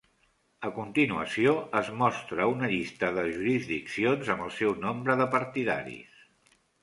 A continuació es mostra una llista de jurisdiccions amb el seu nombre de partidaris.